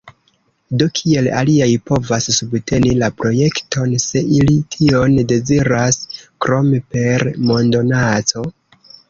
Do, kiel aliaj povas subteni la projekton, se ili tion deziras, krom per mondonaco?